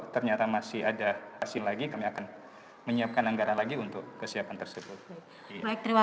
ternyata masih ada hasil lagi kami akan menyiapkan anggaran lagi untuk kesiapan tersebut